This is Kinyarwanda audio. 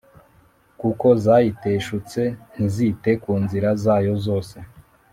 kuko zayiteshutse, ntizite ku nzira zayo zose